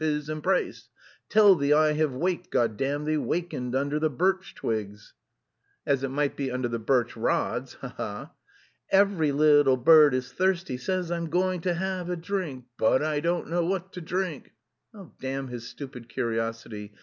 his...embrace. Tell thee I have waked, God damn thee, Wakened under the birch twigs....' ("As it might be under the birch rods, ha ha!") 'Every little bird...is...thirsty, Says I'm going to...have a drink, But I don't...know what to drink....' "Damn his stupid curiosity!